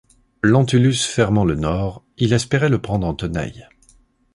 Lentulus fermant le Nord, il espérait le prendre en tenailles.